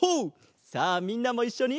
さあみんなもいっしょに。